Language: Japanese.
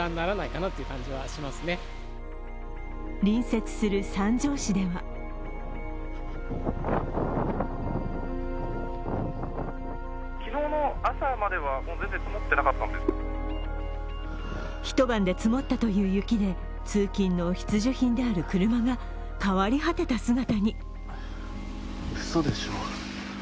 隣接する三条市では一晩で積もったという雪で通勤の必需品である車が変わり果てた姿に。